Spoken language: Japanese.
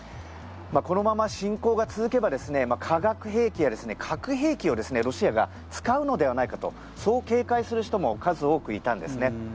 このまま侵攻が続けば化学兵器や核兵器をロシアが使うのではないかとそう警戒する人も数多くいたんですね。